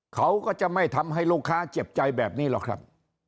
เขาก็จะไม่ทำให้ลูกค้าเจ็บใจแบบนี้หรอกครับ